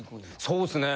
そうですね。